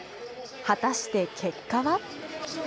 果たして結果は。